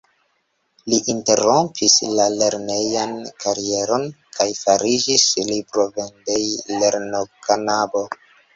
Li interrompis la lernejan karieron kaj fariĝis librovendejlernoknabo.